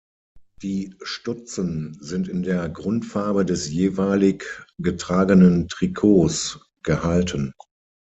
Die Stutzen sind in der Grundfarbe des jeweilig getragenen Trikots gehalten.